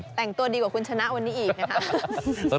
แต่งตัวดีกว่าคุณชนะวันนี้อีก